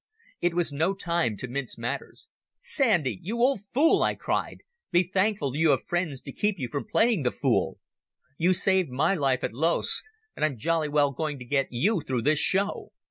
It was no time to mince matters. "Sandy, you old fool," I cried, "be thankful you have friends to keep you from playing the fool. You saved my life at Loos, and I'm jolly well going to get you through this show.